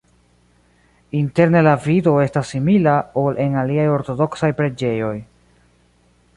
Interne la vido estas simila, ol en aliaj ortodoksaj preĝejoj.